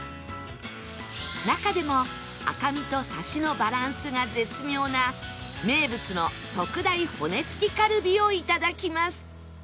中でも赤みとサシのバランスが絶妙な名物の特大骨付きカルビをいただきます